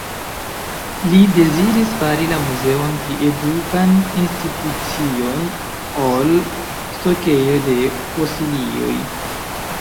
Li deziris fari la Muzeon pli edukan institucion, ol stokejo de fosilioj.